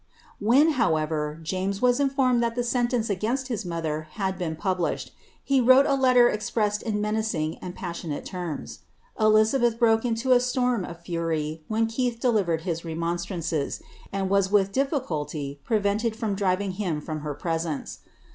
When, however, James was inibia that the sentence against his mother had been published, he wrote ali tcr expresBed in menacing and paBsioiiaLe terms. Elizabeth broke a a storm of fury when Keith delivered his rem ons Iran cee, and was «) dilEculiy prevented froii ''*'~ from her presence.